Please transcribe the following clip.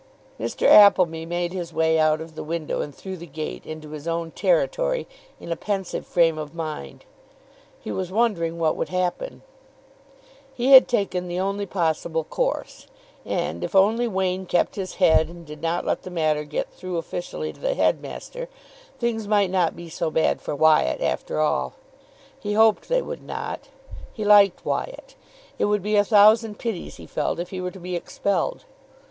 Mr. Appleby made his way out of the window and through the gate into his own territory in a pensive frame of mind. He was wondering what would happen. He had taken the only possible course, and, if only Wain kept his head and did not let the matter get through officially to the headmaster, things might not be so bad for Wyatt after all. He hoped they would not. He liked Wyatt. It would be a thousand pities, he felt, if he were to be expelled.